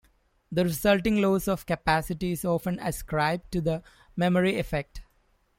The resulting loss of capacity is often ascribed to the memory effect.